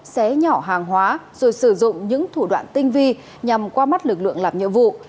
xé nhỏ hàng hóa rồi sử dụng những thủ đoạn tinh vi nhằm qua mắt lực lượng làm nhiệm vụ